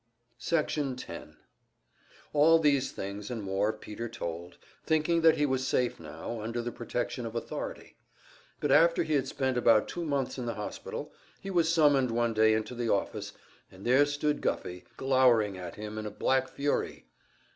Section 10 All these things and more Peter told; thinking that he was safe now, under the protection of authority. But after he had spent about two months in the hospital, he was summoned one day into the office, and there stood Guffey, glowering at him in a black fury.